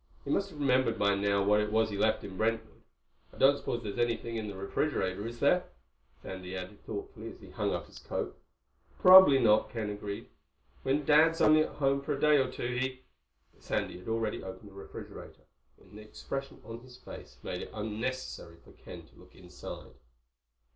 He must have remembered by now what it was he left in Brentwood. I don't suppose there's anything in the refrigerator, is there?" Sandy added thoughtfully as he hung up his coat. "Probably not," Ken agreed. "When Dad's only at home for a day or two he—" But Sandy had already opened the refrigerator and the expression on his face made it unnecessary for Ken to look inside.